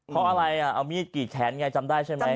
เพราะอะไรเอามีดกรีดแขนไงจำได้ใช่ไหม